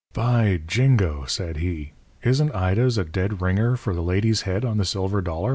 "By jingo!" said he. "Isn't Ida's a dead ringer for the lady's head on the silver dollar?"